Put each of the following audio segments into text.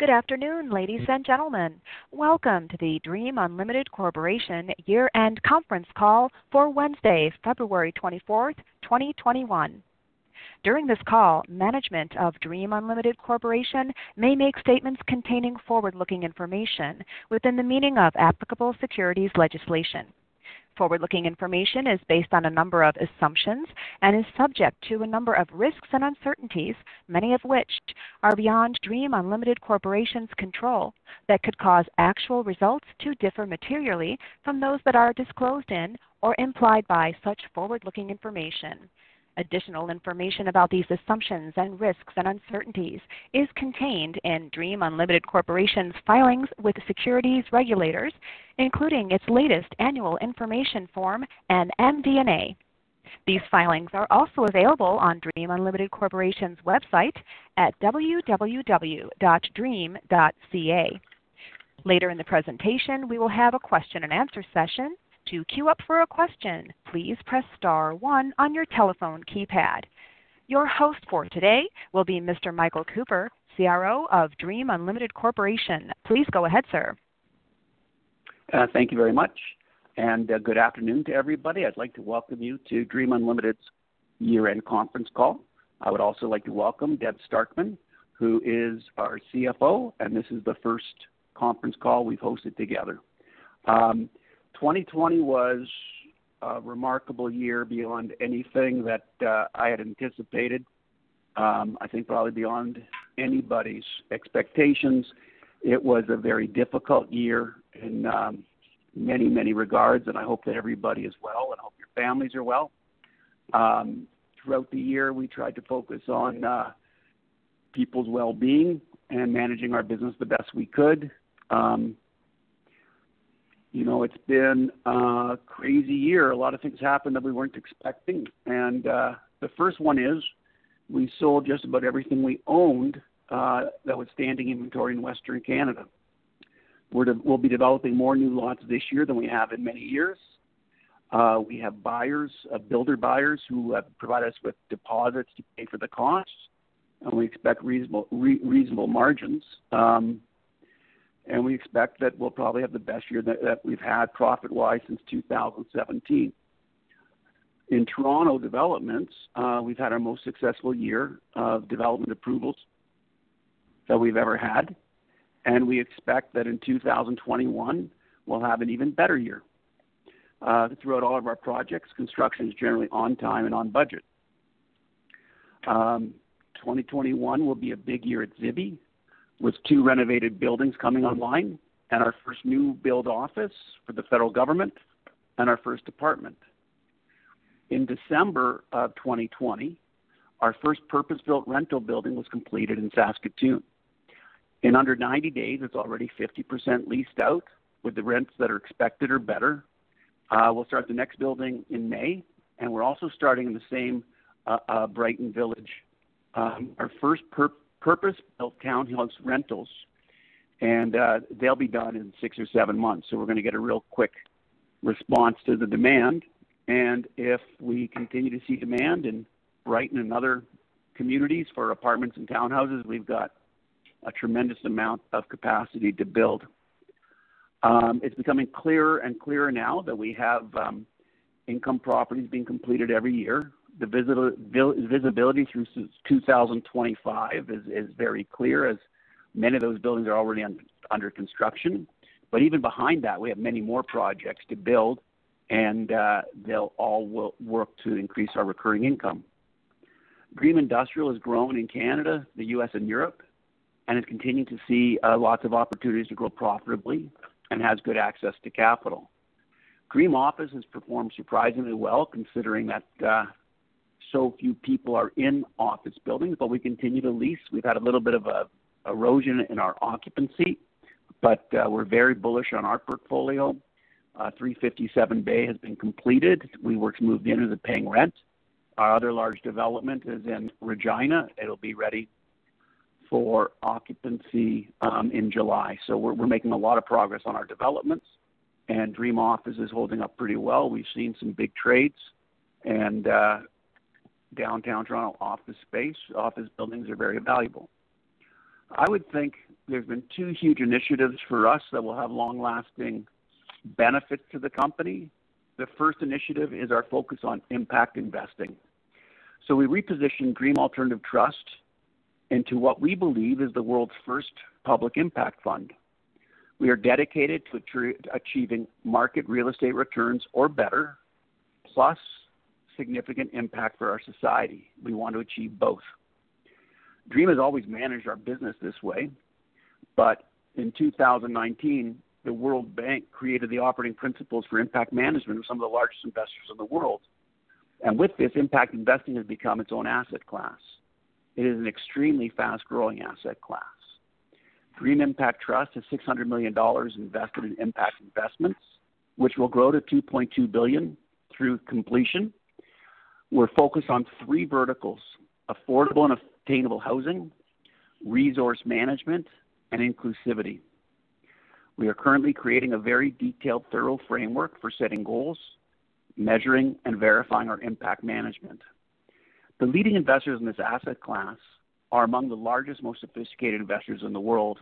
Good afternoon, ladies and gentlemen. Welcome to the DREAM Unlimited Corp. year-end conference call for Wednesday, February 24, 2021. During this call, management of DREAM Unlimited Corp. may make statements containing forward-looking information within the meaning of applicable securities legislation. Forward-looking information is based on a number of assumptions and is subject to a number of risks and uncertainties, many of which are beyond DREAM Unlimited Corp.'s control, that could cause actual results to differ materially from those that are disclosed in or implied by such forward-looking information. Additional information about these assumptions and risks and uncertainties is contained in DREAM Unlimited Corp.'s filings with securities regulators, including its latest annual information form and MD&A. These filings are also available on DREAM Unlimited Corp.'s website at www.dream.ca. Later in the presentation, we will have a question and answer session. Your host for today will be Mr. Michael Cooper, CRO of DREAM Unlimited Corp. Please go ahead, sir. Thank you very much, good afternoon to everybody. I'd like to welcome you to DREAM Unlimited's year-end conference call. I would also like to welcome Deb Starkman, who is our CFO, and this is the first conference call we've hosted together. 2020 was a remarkable year beyond anything that I had anticipated. I think probably beyond anybody's expectations. It was a very difficult year in many, many regards, and I hope that everybody is well, and all your families are well. Throughout the year, we tried to focus on people's well-being and managing our business the best we could. It's been a crazy year. A lot of things happened that we weren't expecting. The first one is we sold just about everything we owned that was standing inventory in Western Canada. We'll be developing more new lots this year than we have in many years. We have builder buyers who have provided us with deposits to pay for the costs. We expect reasonable margins. We expect that we'll probably have the best year that we've had profit-wise since 2017. In Toronto developments, we've had our most successful year of development approvals that we've ever had. We expect that in 2021, we'll have an even better year. Throughout all of our projects, construction's generally on time and on budget. 2021 will be a big year at Zibi, with two renovated buildings coming online and our first new build office for the federal government and our first apartment. In December of 2020, our first purpose-built rental building was completed in Saskatoon. In under 90 days, it's already 50% leased out with the rents that are expected or better. We'll start the next building in May, and we're also starting in the same Brighton Village, our first purpose-built townhomes rentals, and they'll be done in six or seven months. We're going to get a real quick response to the demand. If we continue to see demand in Brighton and other communities for apartments and townhouses, we've got a tremendous amount of capacity to build. It's becoming clearer and clearer now that we have income properties being completed every year. The visibility through 2025 is very clear, as many of those buildings are already under construction. Even behind that, we have many more projects to build and they'll all work to increase our recurring income. DREAM Industrial has grown in Canada, the U.S., and Europe, and has continued to see lots of opportunities to grow profitably and has good access to capital. DREAM Office has performed surprisingly well, considering that so few people are in office buildings, but we continue to lease. We've had a little bit of a erosion in our occupancy, but we're very bullish on our portfolio. 357 Bay has been completed. We worked, moved into the paying rent. Our other large development is in Regina. It'll be ready for occupancy in July. We're making a lot of progress on our developments, and DREAM Office is holding up pretty well. We've seen some big trades and, Downtown Toronto office space, office buildings are very valuable. I would think there's been two huge initiatives for us that will have long-lasting benefits to the company. The first initiative is our focus on impact investing. We repositioned DREAM Alternatives Trust into what we believe is the world's first public impact fund. We are dedicated to achieving market real estate returns or better, plus significant impact for our society. We want to achieve both. DREAM has always managed our business this way. In 2019, the World Bank created the operating principles for impact management with some of the largest investors in the world. With this, impact investing has become its own asset class. It is an extremely fast-growing asset class. DREAM Impact Trust has 600 million dollars invested in impact investments, which will grow to 2.2 billion through completion. We're focused on three verticals, affordable and obtainable housing, resource management, and inclusivity. We are currently creating a very detailed, thorough framework for setting goals, measuring, and verifying our impact management. The leading investors in this asset class are among the largest, most sophisticated investors in the world,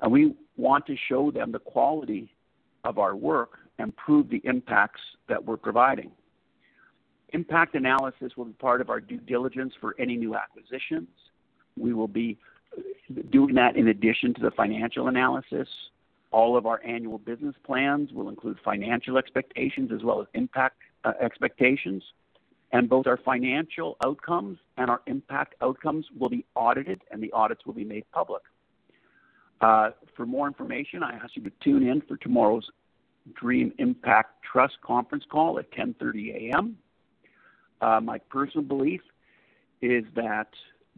and we want to show them the quality of our work and prove the impacts that we're providing. Impact analysis will be part of our due diligence for any new acquisitions. We will be doing that in addition to the financial analysis. All of our annual business plans will include financial expectations as well as impact expectations, and both our financial outcomes and our impact outcomes will be audited and the audits will be made public. For more information, I ask you to tune in for tomorrow's DREAM Impact Trust conference call at 10:30 A.M. My personal belief is that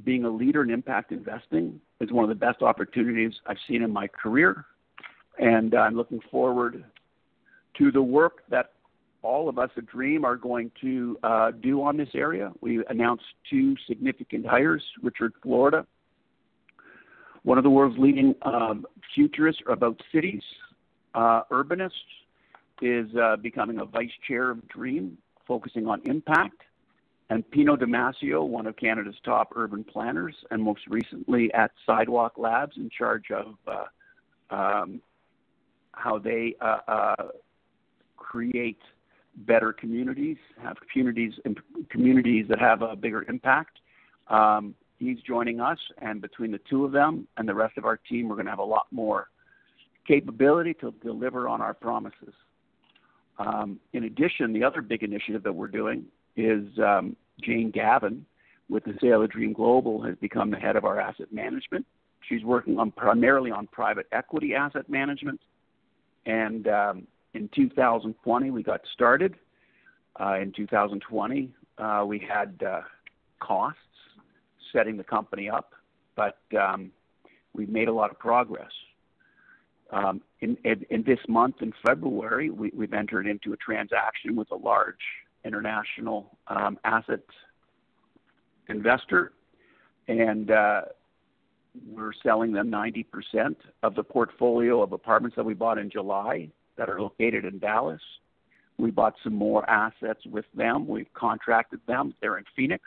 being a leader in impact investing is one of the best opportunities I've seen in my career, and I'm looking forward to the work that all of us at DREAM are going to do on this area. We announced two significant hires. Richard Florida, one of the world's leading futurists about cities, urbanist, is becoming a vice chair of DREAM, focusing on impact. Pino Di Mascio, one of Canada's top urban planners, and most recently at Sidewalk Labs in charge of how they create better communities and communities that have a bigger impact. He's joining us, and between the two of them and the rest of our team, we're going to have a lot more capability to deliver on our promises. In addition, the other big initiative that we're doing is Jane Gavan with CEO of DREAM Global has become the head of our asset management. She's working primarily on private equity asset management. In 2020, we got started. In 2020, we had costs setting the company up, but we've made a lot of progress. In this month, in February, we've entered into a transaction with a large international assets investor, and we're selling them 90% of the portfolio of apartments that we bought in July that are located in Dallas. We bought some more assets with them. We've contracted them. They're in Phoenix.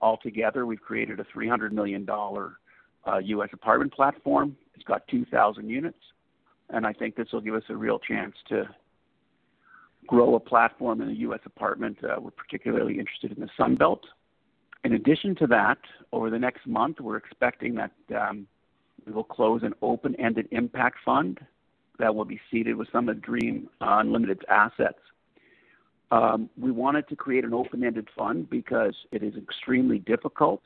Altogether, we've created a $300 million US apartment platform. It's got 2,000 units. I think this will give us a real chance to grow a platform in a US apartment. We're particularly interested in the Sun Belt. In addition to that, over the next month, we're expecting that we will close an open-ended impact fund that will be seeded with some of DREAM Unlimited's assets. We wanted to create an open-ended fund because it is extremely difficult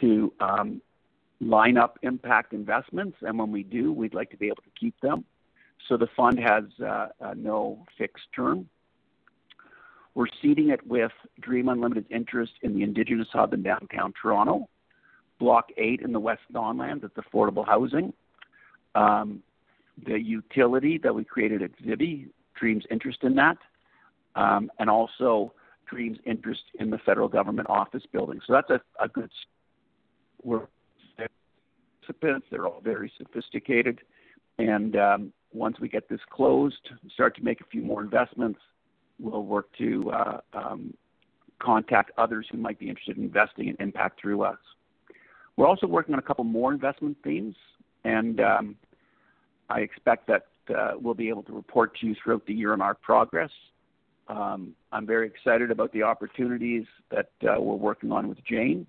to line up impact investments, and when we do, we'd like to be able to keep them. The fund has no fixed term. We're seeding it with DREAM Unlimited's interest in the Indigenous hub in downtown Toronto, Block 8 in the West Don Lands, that's affordable housing, the utility that we created at Zibi, DREAM's interest in that, and also DREAM's interest in the federal government office building. That's a good participants. They're all very sophisticated. Once we get this closed and start to make a few more investments, we'll work to contact others who might be interested in investing in impact through us. We're also working on a couple more investment themes, and I expect that we'll be able to report to you throughout the year on our progress. I'm very excited about the opportunities that we're working on with Jane.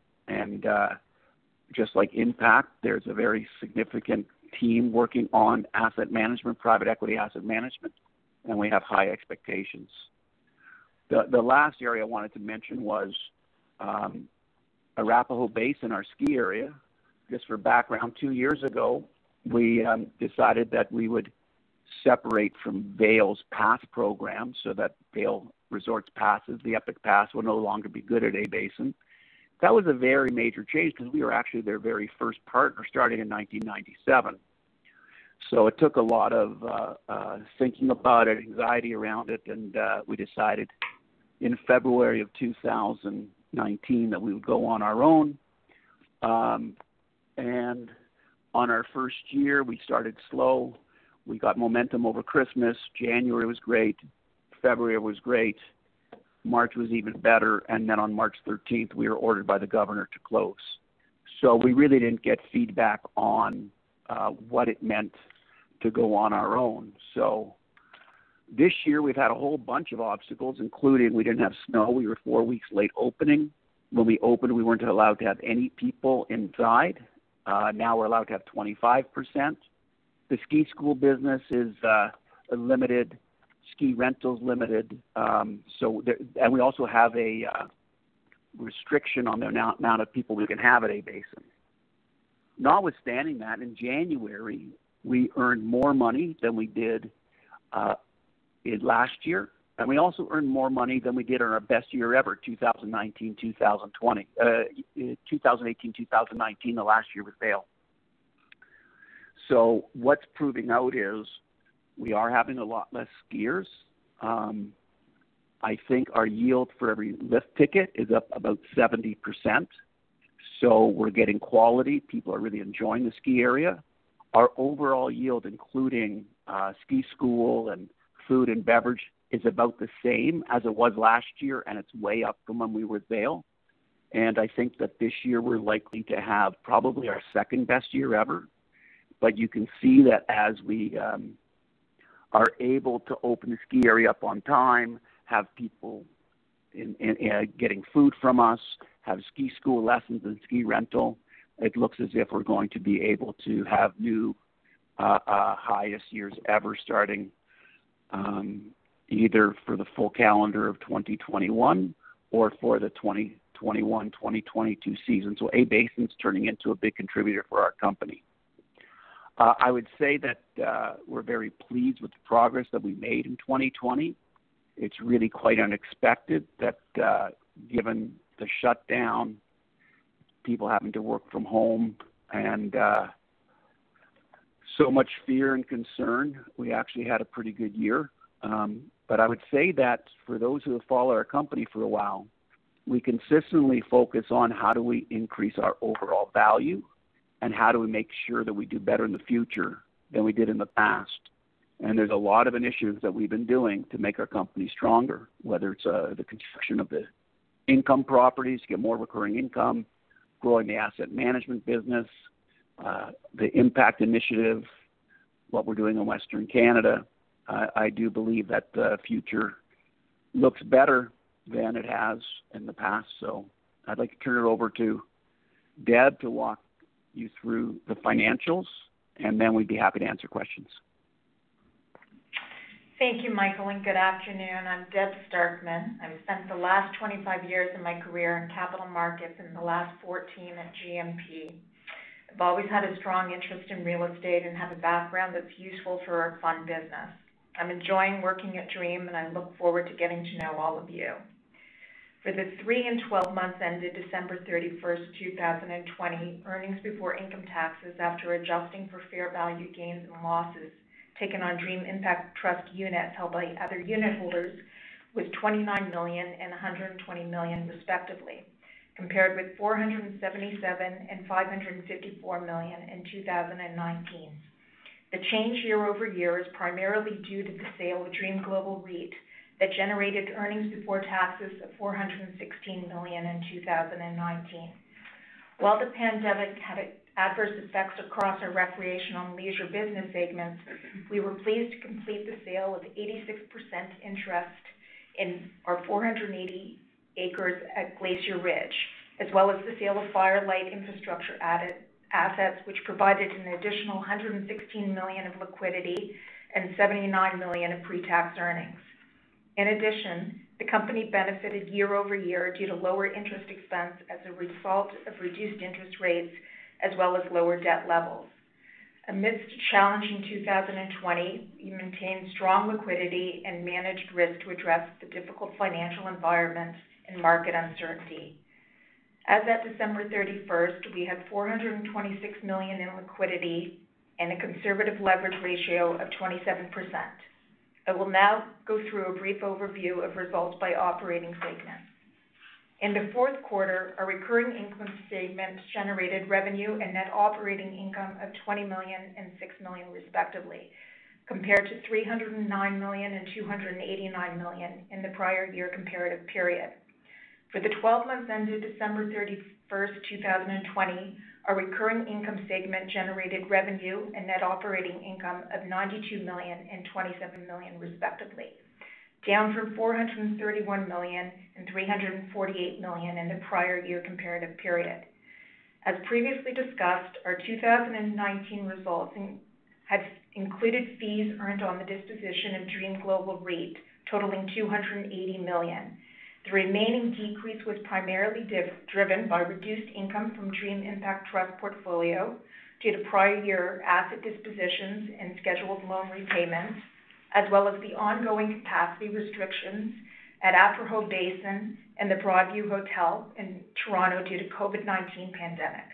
Just like Impact, there's a very significant team working on asset management, private equity asset management, and we have high expectations. The last area I wanted to mention was Arapahoe Basin, our ski area. Just for background, two years ago, we decided that we would separate from Vail's Pass program so that Vail Resorts passes, the Epic Pass, would no longer be good at A-Basin. That was a very major change because we were actually their very first partner, starting in 1997. It took a lot of thinking about it, anxiety around it, and we decided in February of 2019 that we would go on our own. On our first year, we started slow. We got momentum over Christmas. January was great. February was great. March was even better. On March 13th, we were ordered by the governor to close. We really didn't get feedback on what it meant to go on our own. This year we've had a whole bunch of obstacles, including we didn't have snow. We were four weeks late opening. When we opened, we weren't allowed to have any people inside. Now we're allowed to have 25%. The Ski School business is limited, Ski Rentals limited, and we also have a restriction on the amount of people we can have at A-Basin. Notwithstanding that, in January, we earned more money than we did last year, and we also earned more money than we did in our best year ever, 2018, 2019, the last year with Vail. What's proving out is we are having a lot less skiers. I think our yield for every lift ticket is up about 70%. We're getting quality. People are really enjoying the ski area. Our overall yield, including ski school and food and beverage, is about the same as it was last year, and it's way up from when we were Vail. I think that this year we're likely to have probably our second-best year ever. You can see that as we are able to open the ski area up on time, have people getting food from us, have ski school lessons and ski rental, it looks as if we're going to be able to have new highest years ever starting either for the full calendar of 2021 or for the 2021-2022 season. A-Basin is turning into a big contributor for our company. I would say that we're very pleased with the progress that we made in 2020. It's really quite unexpected that given the shutdown, people having to work from home and so much fear and concern, we actually had a pretty good year. I would say that for those who have followed our company for a while, we consistently focus on how do we increase our overall value and how do we make sure that we do better in the future than we did in the past. There's a lot of initiatives that we've been doing to make our company stronger, whether it's the construction of the income properties to get more recurring income, growing the asset management business, the Impact initiative, what we're doing in Western Canada. I do believe that the future looks better than it has in the past. I'd like to turn it over to Deb to walk you through the financials, and then we'd be happy to answer questions. Thank you, Michael. Good afternoon. I'm Deb Starkman. I've spent the last 25 years of my career in capital markets and the last 14 at GMP. I've always had a strong interest in real estate and have a background that's useful for our fund business. I'm enjoying working at DREAM. I look forward to getting to know all of you. For the three and 12 months ended December 31st, 2020, earnings before income taxes, after adjusting for fair value gains and losses taken on DREAM Impact Trust units held by other unitholders was 29 million and 120 million, respectively, compared with 477 million and 554 million in 2019. The change year-over-year is primarily due to the sale of DREAM Global REIT that generated earnings before taxes of 416 million in 2019. While the pandemic had adverse effects across our recreational and leisure business segments, we were pleased to complete the sale of 86% interest in our 480 acres at Glacier Ridge, as well as the sale of Firelight infrastructure assets, which provided an additional 116 million of liquidity and 79 million of pre-tax earnings. In addition, the company benefited year-over-year due to lower interest expense as a result of reduced interest rates as well as lower debt levels. Amidst a challenging 2020, we maintained strong liquidity and managed risk to address the difficult financial environment and market uncertainty. As at December 31st, we had 426 million in liquidity and a conservative leverage ratio of 27%. I will now go through a brief overview of results by operating segment. In the fourth quarter, our recurring income segment generated revenue and net operating income of 20 million and 6 million, respectively, compared to 309 million and 289 million in the prior year comparative period. For the 12 months ended December 31st, 2020, our recurring income segment generated revenue and net operating income of 92 million and 27 million, respectively, down from 431 million and 348 million in the prior year comparative period. As previously discussed, our 2019 results had included fees earned on the disposition of DREAM Global REIT, totaling 280 million. The remaining decrease was primarily driven by reduced income from DREAM Impact Trust portfolio due to prior year asset dispositions and scheduled loan repayments, as well as the ongoing capacity restrictions at Arapahoe Basin and The Broadview Hotel in Toronto due to COVID-19 pandemic.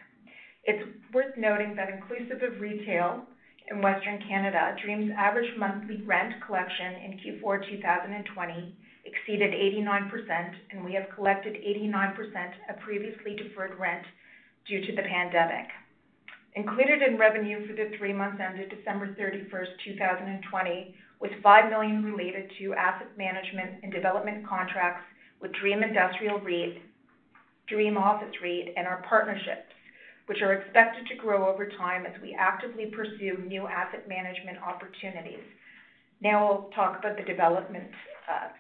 It's worth noting that inclusive of retail in Western Canada, DREAM's average monthly rent collection in Q4 2020 exceeded 89%, and we have collected 89% of previously deferred rent due to the pandemic. Included in revenue for the three months ended December 31, 2020, was 5 million related to asset management and development contracts with DREAM Industrial REIT, DREAM Office REIT, and our partnerships, which are expected to grow over time as we actively pursue new asset management opportunities. Now we'll talk about the development segment.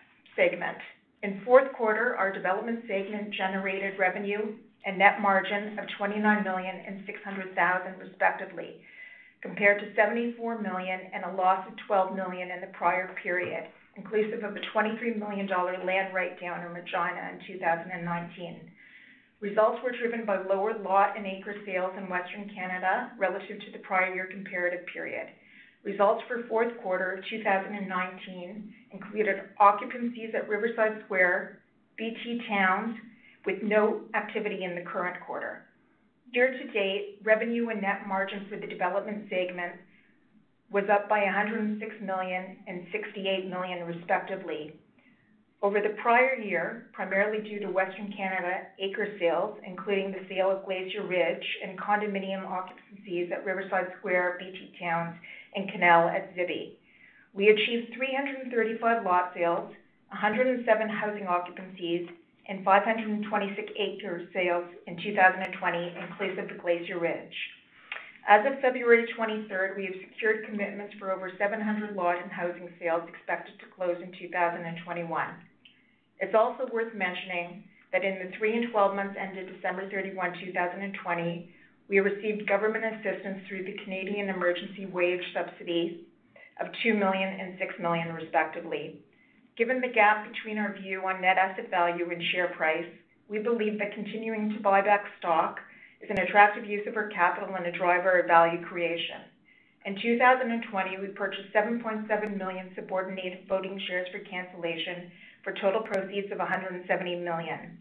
In fourth quarter, our development segment generated revenue and net margin of 29 million and 600,000, respectively, compared to 74 million and a loss of 12 million in the prior period, inclusive of a 23 million dollar land write-down in Regina in 2019. Results were driven by lower lot and acre sales in Western Canada relative to the prior year comparative period. Results for fourth quarter of 2019 included occupancies at Riverside Square, Birchcliff Urban Towns, with no activity in the current quarter. Year to date, revenue and net margin for the development segment was up by 106 million and 68 million respectively. Over the prior year, primarily due to Western Canada acre sales, including the sale of Glacier Ridge and condominium occupancies at Riverside Square, Birchcliff Urban Towns and Kanaal at Zibi. We achieved 335 lot sales, 107 housing occupancies and 526 acre sales in 2020 inclusive of Glacier Ridge. As of February 23rd, we have secured commitments for over 700 lot and housing sales expected to close in 2021. It's also worth mentioning that in the three and 12 months ended December 31, 2020, we received government assistance through the Canada Emergency Wage Subsidy of 2 million and 6 million respectively. Given the gap between our view on net asset value and share price, we believe that continuing to buy back stock is an attractive use of our capital and a driver of value creation. In 2020, we purchased 7.7 million subordinated voting shares for cancellation for total proceeds of 170 million.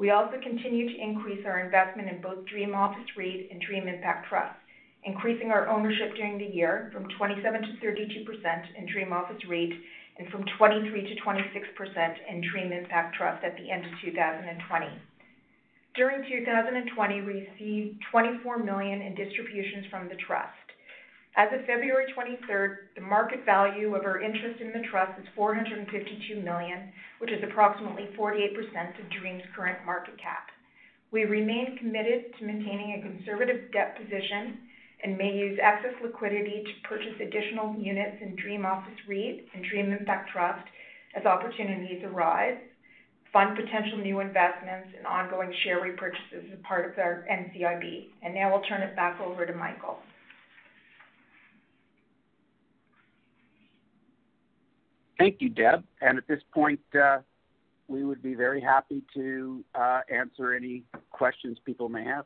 We also continue to increase our investment in both DREAM Office REIT and DREAM Impact Trust, increasing our ownership during the year from 27% to 32% in DREAM Office REIT and from 23% to 26% in DREAM Impact Trust at the end of 2020. During 2020, we received 24 million in distributions from the trust. As of February 23rd, the market value of our interest in the trust is 452 million, which is approximately 48% of DREAM's current market cap. We remain committed to maintaining a conservative debt position and may use excess liquidity to purchase additional units in DREAM Office REIT and DREAM Impact Trust as opportunities arise, fund potential new investments and ongoing share repurchases as part of our NCIB. Now I'll turn it back over to Michael. Thank you, Deb. At this point, we would be very happy to answer any questions people may have.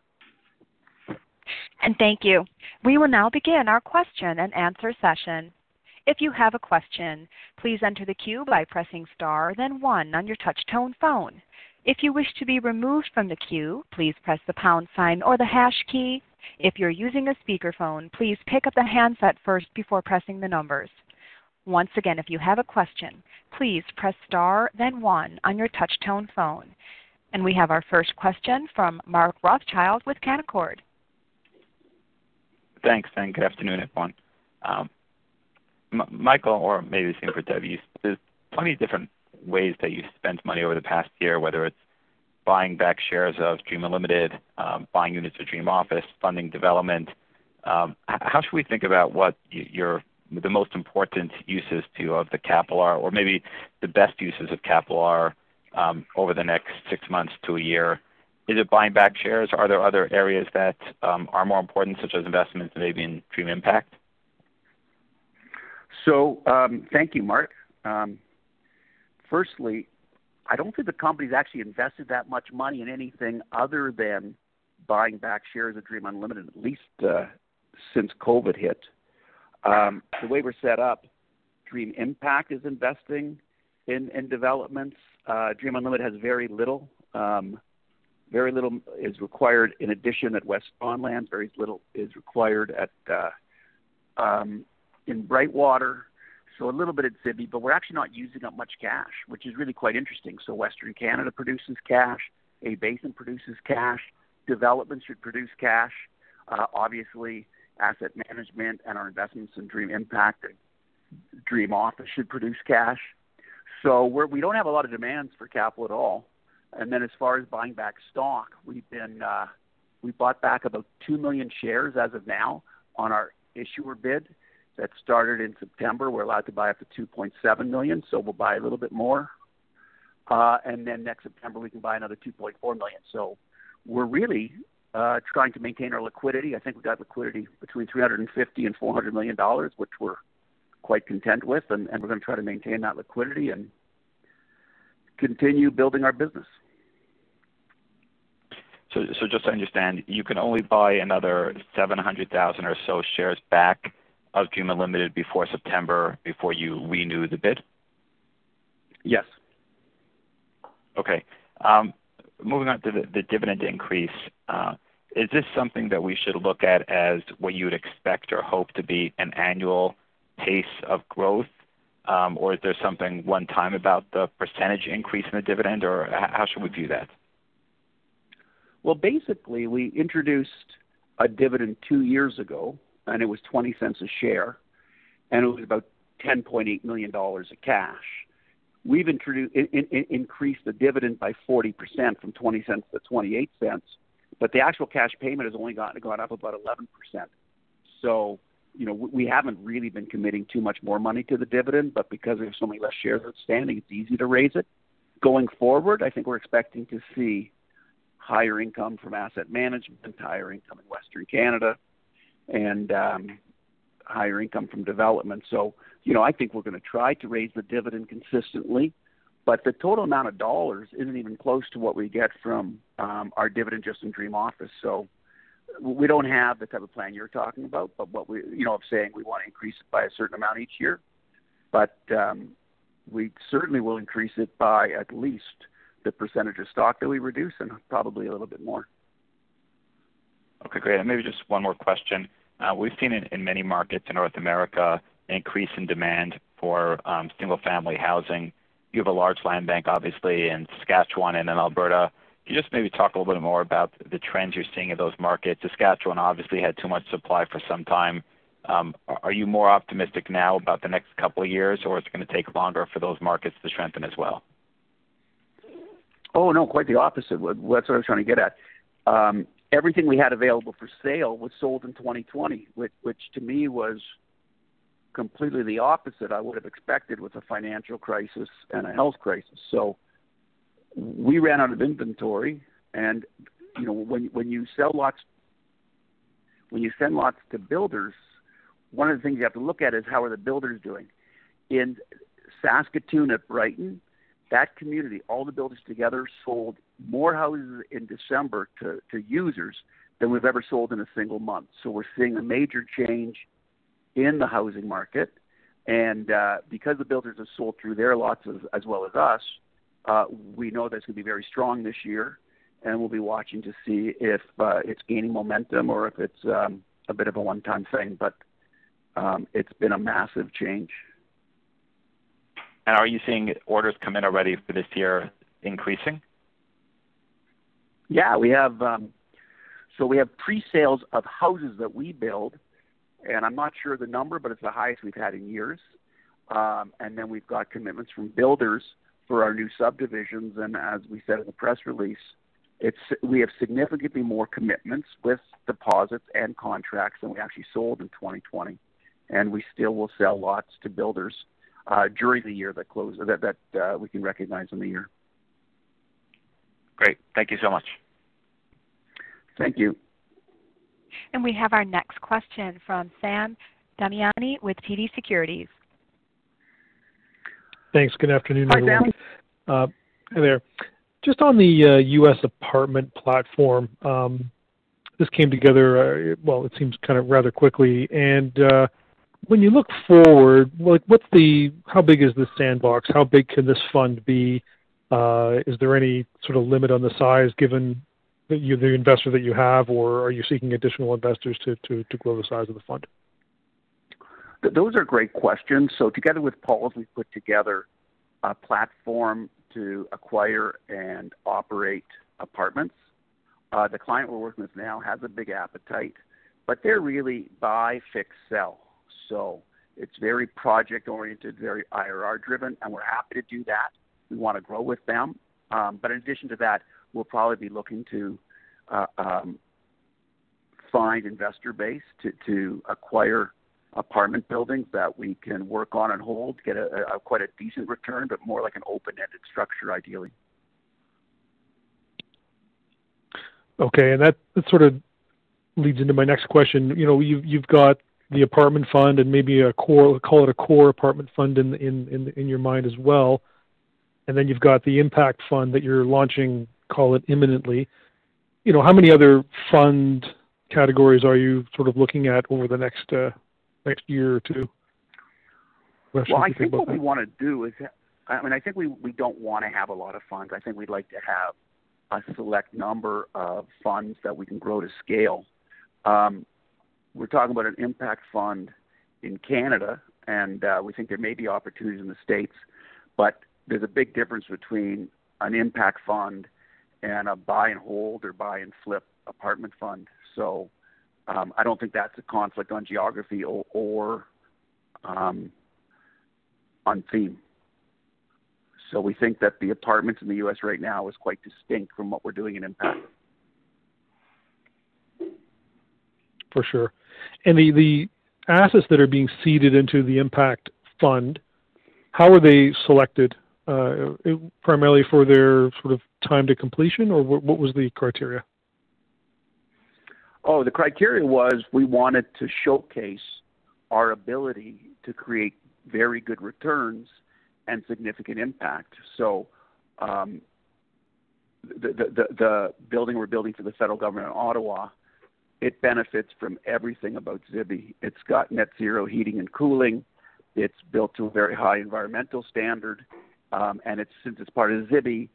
Thank you. We will now begin our question and answer session. If you have a question, please enter the queue by pressing star then one on your touchtone phone. If you wish to be removed from the queue, please press the pound sign or the hash key. If you are using a speakerphone, please pick up the handset first before pressing the numbers. Once again, if you have a question, please press star then one on your touchtone phone. We have our first question from Mark Rothschild with Canaccord. Thanks and good afternoon, everyone. Michael, or maybe the same for Deb, there's plenty of different ways that you spent money over the past year, whether it's buying back shares of DREAM Unlimited, buying units of DREAM Office REIT, funding development. How should we think about what the most important uses to you of the capital are or maybe the best uses of capital are over the next six months to a year? Is it buying back shares? Are there other areas that are more important, such as investments maybe in DREAM Impact Trust? Thank you, Mark. Firstly, I don't think the company's actually invested that much money in anything other than buying back shares of DREAM Unlimited, at least since COVID hit. The way we're set up, DREAM Impact is investing in developments. DREAM Unlimited has very little. Very little is required in addition at West Don Lands. Very little is required in Brightwater. A little bit at Zibi, but we're actually not using up much cash, which is really quite interesting. Western Canada produces cash. A-Basin produces cash. Development should produce cash. Obviously asset management and our investments in DREAM Impact and DREAM Office should produce cash. We don't have a lot of demands for capital at all. Then as far as buying back stock, we bought back about 2 million shares as of now on our issuer bid that started in September. We're allowed to buy up to 2.7 million, so we'll buy a little bit more. Then next September we can buy another 2.4 million. We're really trying to maintain our liquidity. I think we've got liquidity between 350 million and 400 million dollars, which we're quite content with. We're going to try to maintain that liquidity and continue building our business. Just to understand, you can only buy another 700,000 or so shares back of DREAM Unlimited before September before you renew the bid? Yes. Okay. Moving on to the dividend increase. Is this something that we should look at as what you would expect or hope to be an annual pace of growth? Is there something one time about the % increase in the dividend, or how should we view that? We introduced a dividend two years ago, and it was 0.20 a share, and it was about 10.8 million dollars of cash. We've increased the dividend by 40% from 0.20 to 0.28, but the actual cash payment has only gone up about 11%. We haven't really been committing too much more money to the dividend, but because there's so many less shares outstanding, it's easy to raise it. Going forward, I think we're expecting to see higher income from asset management, higher income in Western Canada and higher income from development. I think we're going to try to raise the dividend consistently, but the total amount of dollars isn't even close to what we get from our dividend just in DREAM Office. We don't have the type of plan you're talking about of saying we want to increase it by a certain amount each year. We certainly will increase it by at least the percentage of stock that we reduce and probably a little bit more. Okay, great. Maybe just one more question. We've seen in many markets in North America an increase in demand for single-family housing. You have a large land bank, obviously, in Saskatchewan and in Alberta. Can you just maybe talk a little bit more about the trends you're seeing in those markets? Saskatchewan obviously had too much supply for some time. Are you more optimistic now about the next couple of years, or it's going to take longer for those markets to strengthen as well? Oh, no, quite the opposite. That's what I was trying to get at. Everything we had available for sale was sold in 2020, which to me was completely the opposite I would have expected with a financial crisis and a health crisis. We ran out of inventory and when you send lots to builders, one of the things you have to look at is how are the builders doing. In Saskatoon at Brighton, that community, all the builders together sold more houses in December to users than we've ever sold in a single month. We're seeing a major change in the housing market. Because the builders have sold through their lots as well as us, we know that it's going to be very strong this year, and we'll be watching to see if it's gaining momentum or if it's a bit of a one-time thing. It's been a massive change. Are you seeing orders come in already for this year increasing? Yeah. We have pre-sales of houses that we build, and I'm not sure of the number, but it's the highest we've had in years. We've got commitments from builders for our new subdivisions, and as we said in the press release, we have significantly more commitments with deposits and contracts than we actually sold in 2020. We still will sell lots to builders during the year that we can recognize in the year. Great. Thank you so much. Thank you. We have our next question from Sam Damiani with TD Securities. Thanks. Good afternoon, everyone. Hi Damiani. Hi there. Just on the U.S. apartment platform, this came together, well, it seems kind of rather quickly. When you look forward, how big is this sandbox? How big can this fund be? Is there any sort of limit on the size given the investor that you have, or are you seeking additional investors to grow the size of the fund? Those are great questions. Together with Pauls, we've put together a platform to acquire and operate apartments. The client we're working with now has a big appetite, they're really buy, fix, sell. It's very project-oriented, very IRR-driven, and we're happy to do that. We want to grow with them. In addition to that, we'll probably be looking to find investor base to acquire apartment buildings that we can work on and hold to get quite a decent return, but more like an open-ended structure, ideally. Okay, that sort of leads into my next question. You've got the apartment fund and maybe, call it a core apartment fund in your mind as well, and then you've got the impact fund that you're launching, call it imminently. How many other fund categories are you sort of looking at over the next year or two? What else you can say about that? I think what we want to do is I think we don't want to have a lot of funds. I think we'd like to have a select number of funds that we can grow to scale. We're talking about an impact fund in Canada, and we think there may be opportunities in the U.S., but there's a big difference between an impact fund and a buy and hold or buy and flip apartment fund. I don't think that's a conflict on geography or on theme. We think that the apartments in the U.S. right now is quite distinct from what we're doing in impact. For sure. The assets that are being seeded into the impact fund, how are they selected? Primarily for their sort of time to completion, or what was the criteria? The criteria was we wanted to showcase our ability to create very good returns and significant impact. The building we're building for the federal government in Ottawa, it benefits from everything about Zibi. It's got net zero heating and cooling. It's built to a very high environmental standard. Since it's part of Zibi,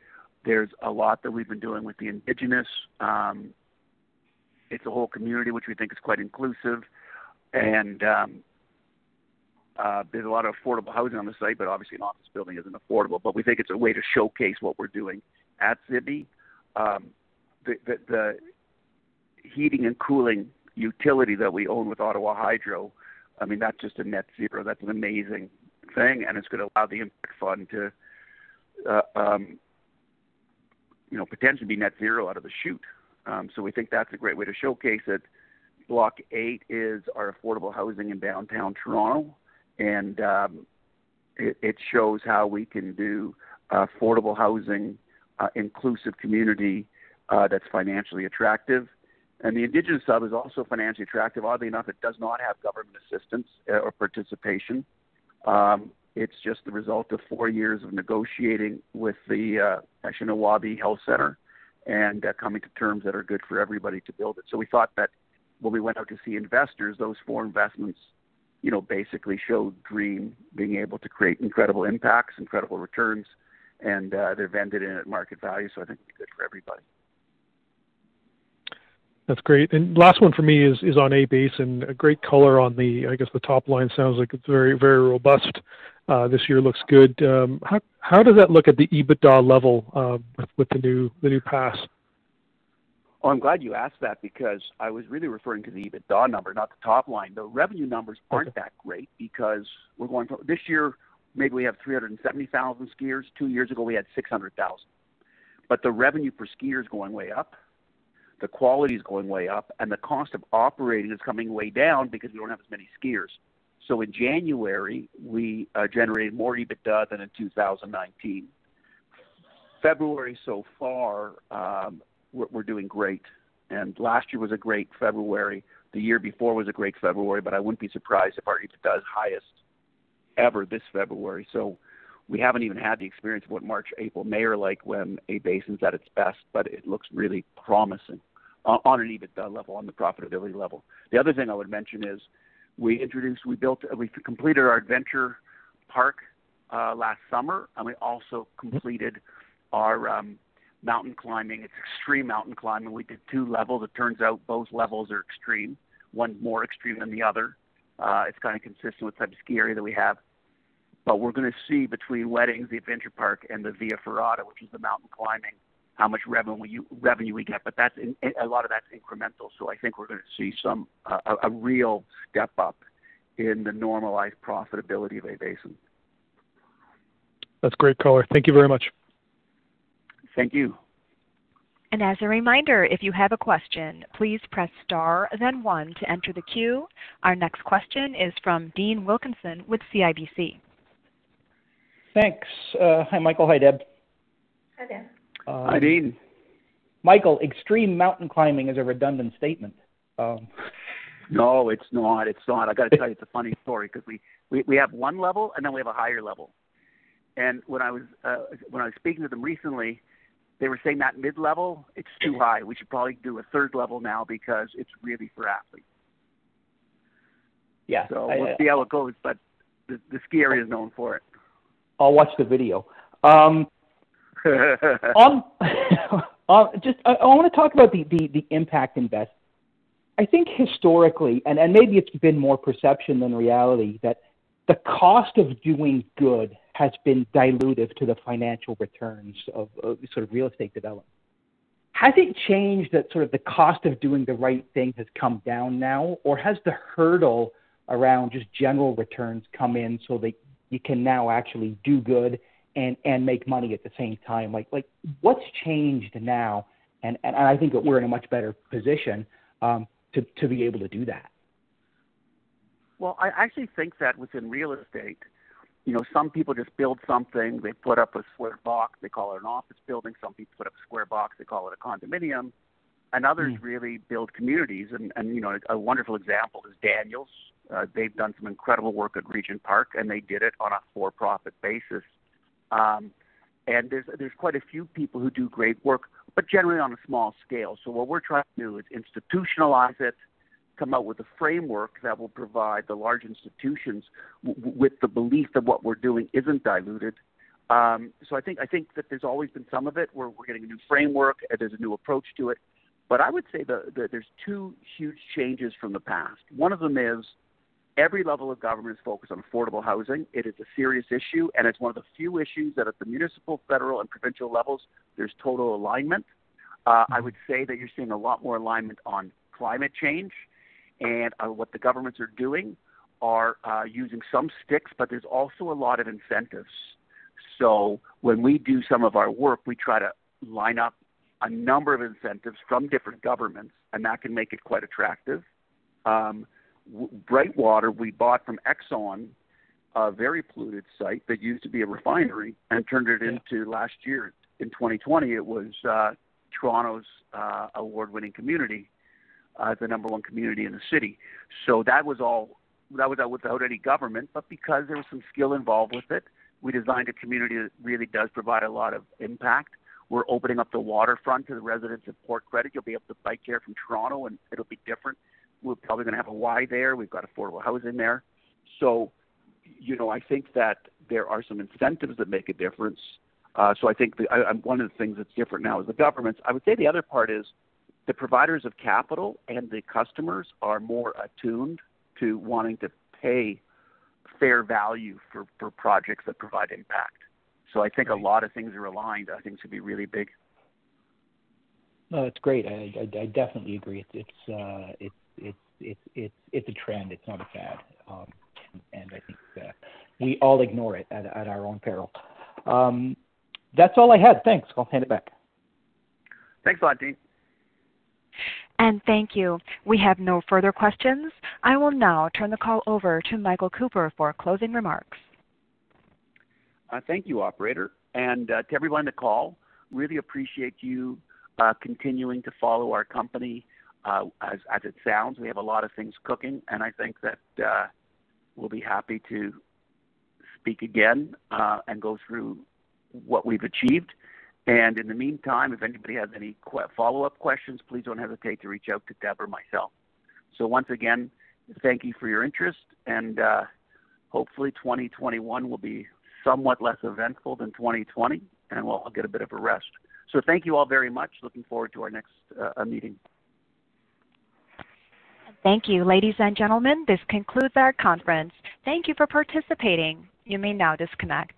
there's a lot that we've been doing with the Indigenous. It's a whole community which we think is quite inclusive. There's a lot of affordable housing on the site, but obviously an office building isn't affordable, but we think it's a way to showcase what we're doing at Zibi. The heating and cooling utility that we own with Hydro Ottawa, I mean, that's just a net zero. That's an amazing thing, and it's going to allow the impact fund to potentially be net zero out of the chute. We think that's a great way to showcase it. Block 8 is our affordable housing in Downtown Toronto, and it shows how we can do affordable housing, inclusive community that's financially attractive. The Indigenous hub is also financially attractive. Oddly enough, it does not have government assistance or participation. It's just the result of four years of negotiating with the Anishnawbe Health Toronto and coming to terms that are good for everybody to build it. We thought that when we went out to see investors, those four investments basically show DREAM being able to create incredible impacts, incredible returns, and they're vended in at market value. I think it will be good for everybody. That's great. Last one for me is on A-Basin. A great color on the top line. Sounds like it's very robust. This year looks good. How does that look at the EBITDA level with the new pass? Oh, I'm glad you asked that because I was really referring to the EBITDA number, not the top line. The revenue numbers aren't that great because this year, maybe we have 370,000 skiers. Two years ago, we had 600,000. The revenue per skier is going way up, the quality is going way up, and the cost of operating is coming way down because we don't have as many skiers. In January, we generated more EBITDA than in 2019. February so far, we're doing great. Last year was a great February. The year before was a great February. I wouldn't be surprised if our EBITDA is highest ever this February. We haven't even had the experience of what March, April, May are like when A-Basin's at its best, but it looks really promising on an EBITDA level, on the profitability level. The other thing I would mention is we completed our adventure park last summer. We also completed our mountain climbing. It's extreme mountain climbing. We did two levels. It turns out both levels are extreme, one more extreme than the other. It's kind of consistent with the type of ski area that we have. We're going to see between weddings, the adventure park, and the Via Ferrata, which is the mountain climbing, how much revenue we get. A lot of that's incremental. I think we're going to see a real step up in the normalized profitability of A-Basin. That's great color. Thank you very much. Thank you. As a reminder, if you have a question, please press star then one to enter the queue. Our next question is from Dean Wilkinson with CIBC. Thanks. Hi Michael. Hi Deb. Hi Dean. Hi Dean. Michael, extreme mountain climbing is a redundant statement. No, it's not. I got to tell you, it's a funny story because we have one level, and then we have a higher level. When I was speaking to them recently, they were saying that mid-level, it's too high. We should probably do a third level now because it's really for athletes. Yeah. We'll see how it goes, but the ski area is known for it. I'll watch the video. I want to talk about the impact invest. I think historically, and maybe it's been more perception than reality, that the cost of doing good has been dilutive to the financial returns of real estate development. Has it changed that the cost of doing the right thing has come down now, or has the hurdle around just general returns come in so that you can now actually do good and make money at the same time? What's changed now? I think that we're in a much better position to be able to do that. Well, I actually think that within real estate, some people just build something, they put up a square box, they call it an office building. Some people put up a square box, they call it a condominium. Others really build communities. A wonderful example is Daniels. They've done some incredible work at Regent Park, and they did it on a for-profit basis. There's quite a few people who do great work, but generally on a small scale. What we're trying to do is institutionalize it, come out with a framework that will provide the large institutions with the belief that what we're doing isn't diluted. I think that there's always been some of it where we're getting a new framework and there's a new approach to it. I would say that there's two huge changes from the past. One of them is every level of government is focused on affordable housing. It is a serious issue, and it's one of the few issues that at the municipal, federal, and provincial levels, there's total alignment. I would say that you're seeing a lot more alignment on climate change. What the governments are doing are using some sticks, but there's also a lot of incentives. When we do some of our work, we try to line up a number of incentives from different governments, and that can make it quite attractive. Brightwater, we bought from Exxon, a very polluted site that used to be a refinery, and turned it into, last year, in 2020, it was Toronto's award-winning community, the number one community in the city. That was all without any government, but because there was some skill involved with it, we designed a community that really does provide a lot of impact. We're opening up the waterfront to the residents of Port Credit. You'll be able to bike there from Toronto, and it'll be different. We're probably going to have a Y there. We've got affordable housing there. I think that there are some incentives that make a difference. I think one of the things that's different now is the governments. I would say the other part is the providers of capital and the customers are more attuned to wanting to pay fair value for projects that provide impact. I think a lot of things are aligned, I think to be really big. No, that's great. I definitely agree. It's a trend. It's not a fad. I think that we all ignore it at our own peril. That's all I had. Thanks. I'll hand it back. Thanks a lot, Dean. Thank you. We have no further questions. I will now turn the call over to Michael Cooper for closing remarks. Thank you, operator. To everyone on the call, really appreciate you continuing to follow our company. As it sounds, we have a lot of things cooking, and I think that we'll be happy to speak again, and go through what we've achieved. In the meantime, if anybody has any follow-up questions, please don't hesitate to reach out to Deb or myself. Once again, thank you for your interest. Hopefully 2021 will be somewhat less eventful than 2020, and we'll all get a bit of a rest. Thank you all very much. Looking forward to our next meeting. Thank you. Ladies and gentlemen, this concludes our conference. Thank you for participating. You may now disconnect.